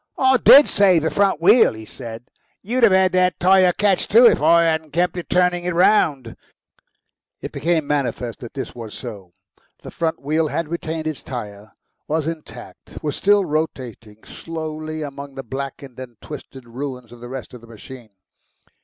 "I DID save the front wheel," he said; "you'd have had that tyre catch, too, if I hadn't kept turning it round." It became manifest that this was so. The front wheel had retained its tyre, was intact, was still rotating slowly among the blackened and twisted ruins of the rest of the machine.